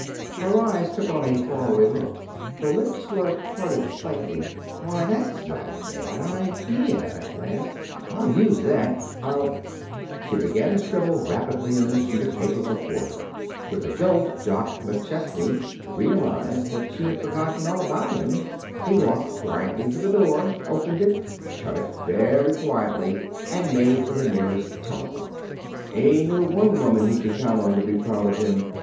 Her eyes took on a far away look. Her lips were parted slightly. "Why, that's not a bad idea that last. I'll use that. I'll " [Illustration: "With a jolt Jock realized she had forgotten all about him"] She began to scribble rapidly on the sheet of paper before her. With a jolt Jock McChesney realized that she had forgotten all about him. He walked quietly to the door, opened it, shut it very quietly, then made for the nearest telephone. He knew one woman he could count on to be proud of him.